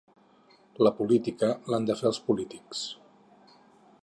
La política l’han de fer els polítics.